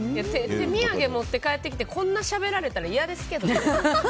手土産持って帰ってこんなしゃべられたら嫌ですけどね。